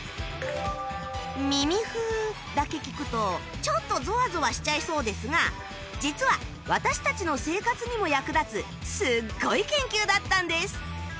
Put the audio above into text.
「耳フー」だけ聞くとちょっとゾワゾワしちゃいそうですが実は私たちの生活にも役立つすっごい研究だったんです